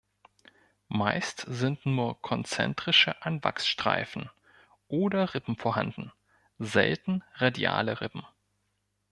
Meist sind nur konzentrische Anwachsstreifen oder Rippen vorhanden, selten radiale Rippen.